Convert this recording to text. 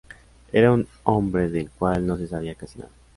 Era un hombre del cual no se sabía casi nada.